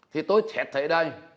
thì tôi chẳng thể ở đây